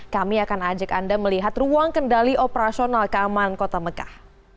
kami akan ajak anda melihat ruang kendali operasional keamanan kota mekah